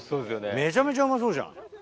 めちゃめちゃうまそうじゃん。